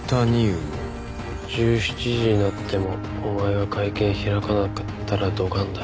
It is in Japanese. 「１７時になってもお前が会見開かなかったらドカンだ」